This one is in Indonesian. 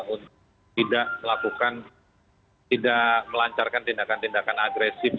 untuk tidak melakukan tidak melancarkan tindakan tindakan agresif